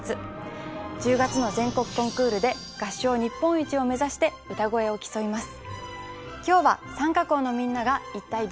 １０月の全国コンクールで合唱日本一をめざして歌声を競います。